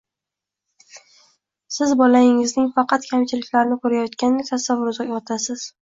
Siz bolangizning faqatgina kamchiliklarini ko‘rayotgandek taassurot uyg‘otasiz.